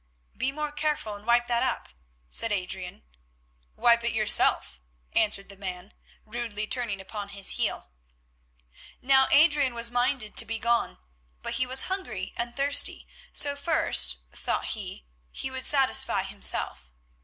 "Be more careful and wipe that up," said Adrian. "Wipe it yourself," answered the man, rudely turning upon his heel. Now Adrian was minded to be gone, but he was hungry and thirsty, so first, thought he, he would satisfy himself.